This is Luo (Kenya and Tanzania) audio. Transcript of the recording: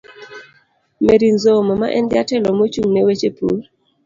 Mary Nzomo, ma en Jatelo mochung'ne weche pur